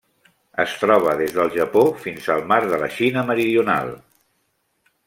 Es troba des del Japó fins al Mar de la Xina Meridional.